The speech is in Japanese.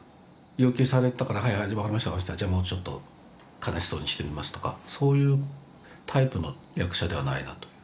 要求されたからはいはい、分かりましたじゃあもうちょっと悲しそうにしてみますとかそういうタイプの役者ではないなという。